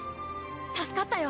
助かったよ。